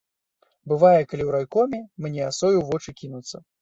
Бывае, калі ў райкоме мне асою ў вочы кінуцца.